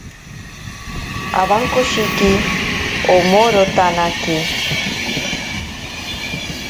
Awankoshiki omorotanake.